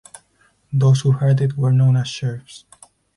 Those who herded were known as serfs.